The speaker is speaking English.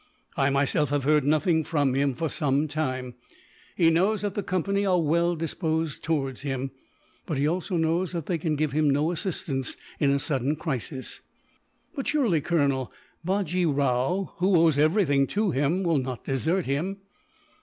I myself have heard nothing from him, for some time. He knows that the Company are well disposed towards him; but he also knows that they can give him no assistance, in a sudden crisis." "But surely, Colonel, Bajee Rao, who owes everything to him, will not desert him?"